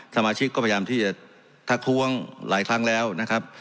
สมาชิกก็พยายามที่จะทักท้วงหลายครั้งแล้วนะครับ